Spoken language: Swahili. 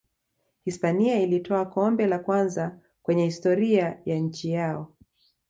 hispania ilitwaa kombe la kwanza kwenye historia ya nchi yao